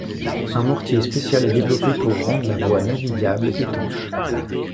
Un mortier spécial est développé pour rendre la voie navigable étanche.